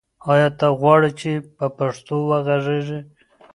آیا ته غواړې چې په پښتو وغږېږې؟